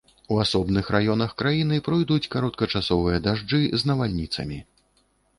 У асобных раёнах краіны пройдуць кароткачасовыя дажджы з навальніцамі.